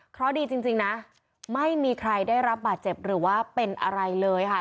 เพราะดีจริงนะไม่มีใครได้รับบาดเจ็บหรือว่าเป็นอะไรเลยค่ะ